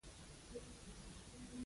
اول خو ادب داسې متشدده رویه نه لري.